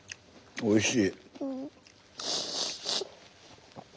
おいしい。